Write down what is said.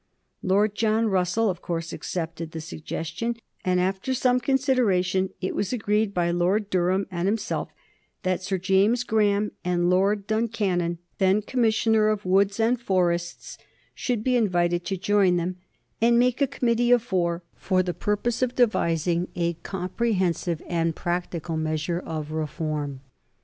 Lord John Russell of course accepted the suggestion, and after some consideration it was agreed by Lord Durham and himself that Sir James Graham and Lord Duncannon, then Commissioner of Woods and Forests, should be invited to join them, and make a committee of four for the purpose of devising a comprehensive and practicable measure of reform.